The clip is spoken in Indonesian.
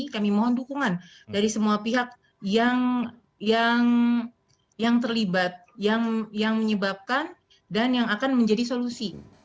kami mohon dukungan dari semua pihak yang terlibat yang menyebabkan dan yang akan menjadi solusi